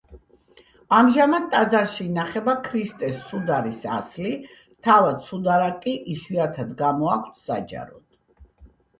ამჟამად ტაძარში ინახება ქრისტეს სუდარის ასლი; თავად სუდარა კი იშვიათად გამოაქვთ საჯაროდ.